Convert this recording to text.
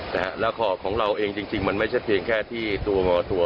และข่าวของเราเองจริงมันไม่ใช่เพียงแค่ที่ตัวงอตัว